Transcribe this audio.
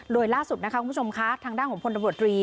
โรยล่าสุดทางด้านของพลตำรวจรี